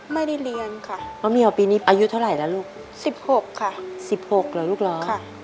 ไม่ได้เรียนค่ะป้าเมียวปีนี้อายุเท่าไหร่แล้วลูกสิบหกค่ะสิบหกเหรอลูกเหรอค่ะ